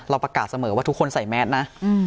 ประกาศเสมอว่าทุกคนใส่แมสนะ